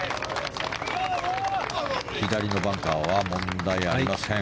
左のバンカーは問題ありません。